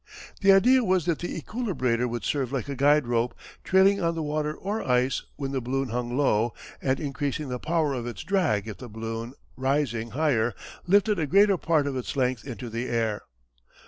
The idea was that the equilibrator would serve like a guide rope, trailing on the water or ice when the balloon hung low, and increasing the power of its drag if the balloon, rising higher, lifted a greater part of its length into the air.